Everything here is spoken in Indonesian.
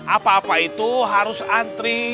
apa apa itu harus antri